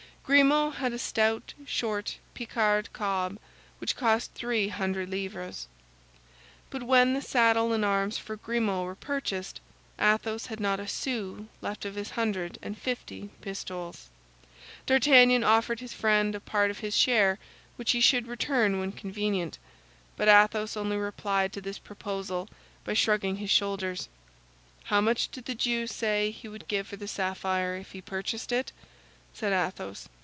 Grimaud had a stout, short Picard cob, which cost three hundred livres. But when the saddle and arms for Grimaud were purchased, Athos had not a sou left of his hundred and fifty pistoles. D'Artagnan offered his friend a part of his share which he should return when convenient. But Athos only replied to this proposal by shrugging his shoulders. "How much did the Jew say he would give for the sapphire if he purchased it?" said Athos.